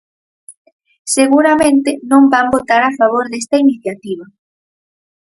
Seguramente non van votar a favor desta iniciativa.